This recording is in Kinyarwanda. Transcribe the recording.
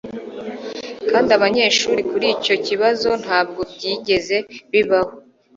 kandi abanyeshuri kuri icyo kibazo ntabwo byigeze bibaho